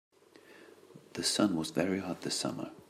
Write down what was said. The sun was very hot this summer.